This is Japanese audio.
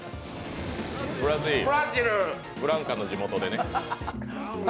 ブラジルブランカの地元でね。